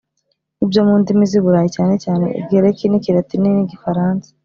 nibyo mu ndimi z’i Burayi cyanecyane ikigereki n’ikilatini n’igifaransa.